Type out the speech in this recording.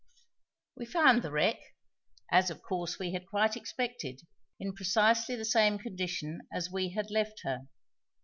We found the wreck, as of course we had quite expected, in precisely the same condition as we had left her.